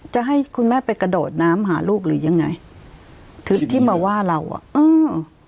จะให้คุณแม่ไปกระโดดน้ำหาลูกหรือยังไงถึงที่มาว่าเราอ่ะอืม